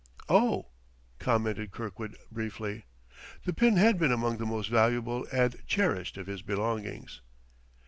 "Oh," commented Kirkwood briefly. The pin had been among the most valuable and cherished of his belongings.